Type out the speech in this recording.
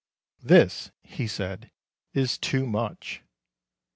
"This," he said, "is too much."